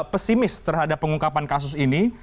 pesimis terhadap pengungkapan kasus ini